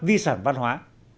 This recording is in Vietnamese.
di sản văn hóa